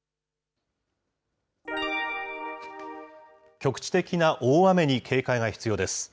局地的な大雨に警戒が必要です。